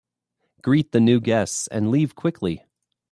Greet the new guests and leave quickly.